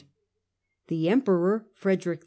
The Emperor Frederick II.